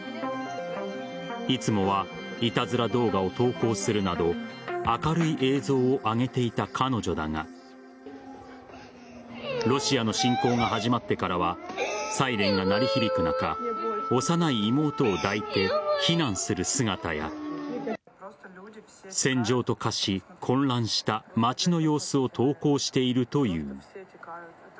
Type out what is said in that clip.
いつもはいたずら動画を投稿するなど明るい映像を上げていた彼女だがロシアの侵攻が始まってからはサイレンが鳴り響く中幼い妹を抱いて避難する姿や戦場と化し、混乱した街の様子を投稿しているという。